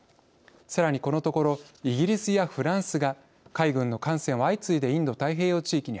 さらにこのところイギリスやフランスが海軍の艦船を相次いでインド太平洋地域に派遣しています。